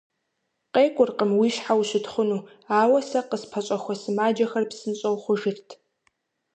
КъекӀуркъым уи щхьэ ущытхъуну, ауэ сэ къыспэщӀэхуэ сымаджэхэр псынщӀэу хъужырт.